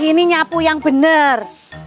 ini nyapu yang bener